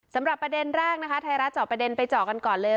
สำหรับประเด็นแรกนะคะไทยรัฐเจาะประเด็นไปเจาะกันก่อนเลย